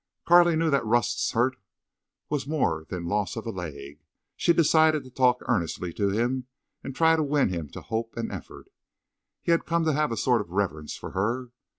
Carley knew that Rust's hurt was more than loss of a leg, and she decided to talk earnestly to him and try to win him to hope and effort. He had come to have a sort of reverence for her.